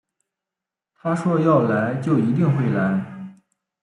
他说要来就一定会来